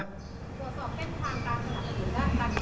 โทรสอบแก้มทางตามเงินหรือแม้หา